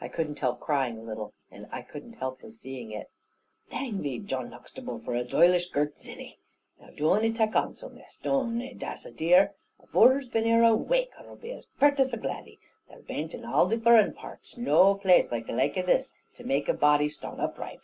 I couldn't help crying a little; and I couldn't help his seeing it. "Dang thee, Jan Uxtable, for a doilish girt zinny. Now doon e tak on so, Miss; doon e, that's a dear. Avore her's been here a wake, her'll be as peart as a gladdy. There bain't in arl they furren parts no place the laike of this ere to make a body ston upraight.